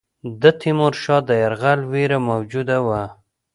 د تیمورشاه د یرغل وېره موجوده وه.